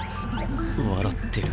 笑ってる。